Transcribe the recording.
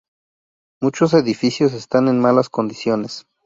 Muchos edificios están en malas condiciones.